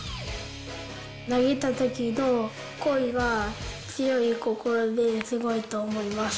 投げたときの声が強い心ですごいと思いました。